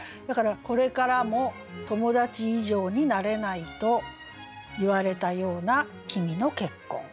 だから「これからも友達以上になれないと言われたような君の結婚」。